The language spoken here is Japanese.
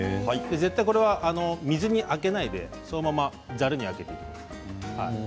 絶対これは水に上げないでそのままざるに上げます。